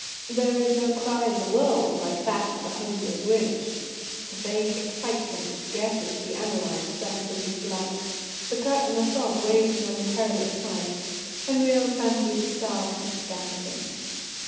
There is no cry in the world like that of the homeless wind. A vague excitement, scarcely to be analysed, ran through his blood. The curtain of fog waved momentarily aside. Henriot fancied a star peeped down at him.